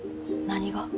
何が？